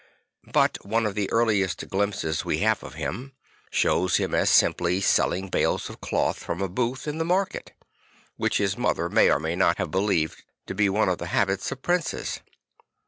But one of the earliest glimpses we have of him shows him as simply selling bales of cloth from a booth in the market; which his mother mayor may not have believed to be one of the habits of princes.